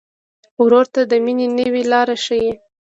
ورور ته د مینې نوې لاره ښيي.